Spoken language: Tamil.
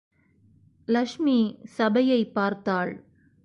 லக்ஷ்மி சபையைப் பார்த்தாள்.